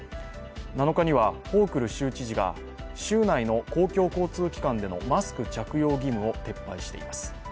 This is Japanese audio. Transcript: ７日にはホークル州知事が州内の公共交通機関でのマスク着用義務を撤廃しています。